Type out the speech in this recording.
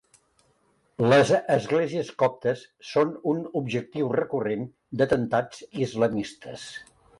Les esglésies coptes són un objectiu recurrent d’atemptats islamistes.